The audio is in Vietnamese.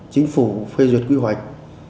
chính phủ phê duyệt quy hoạch